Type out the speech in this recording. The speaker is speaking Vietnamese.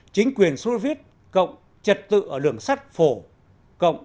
chính quyền soviet cộng trật tự ở đường sắt phổ